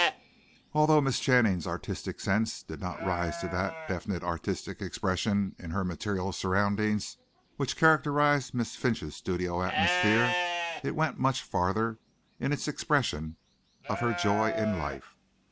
Although Miss Channing's artistic sense did not rise to that definite artistic expression in her material surroundings which characterized Miss Finch's studio atmosphere, it went much farther in its expression of her joy in life.